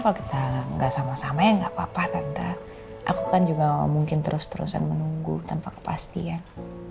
kalau kita nggak sama sama ya nggak apa apa tanpa aku kan juga mungkin terus terusan menunggu tanpa kepastian